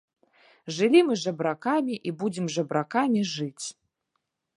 Жылі мы жабракамі і будзем жабракамі жыць.